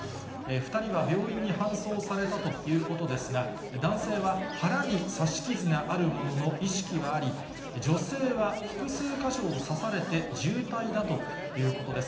２人は病院に搬送されたということですが、男性は腹に刺し傷があるものの、意識はあり、女性は複数箇所を刺されて重体だということです。